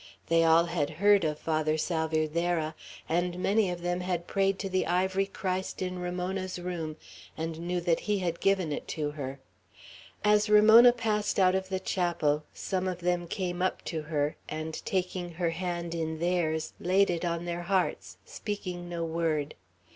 They all had heard of Father Salvierderra, and many of them had prayed to the ivory Christ in Ramona's room, and knew that he had given it to her. As Ramona passed out of the chapel, some of them came up to her, and taking her hand in theirs, laid it on their hearts, speaking no word.